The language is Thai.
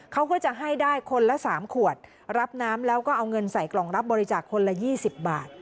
เขาก็จะให้ได้คนละ๓ขวดรับน้ำแล้วก็เอาเงินใส่กล่องรับบริจาคคนละ๒๐บาท